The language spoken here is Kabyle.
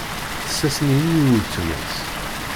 Tessasen-iyi i uletma-s.